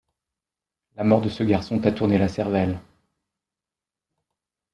La mort de ce garçon t’a tourné la cervelle!